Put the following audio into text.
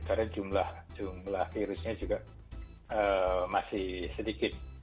karena jumlah virusnya juga masih sedikit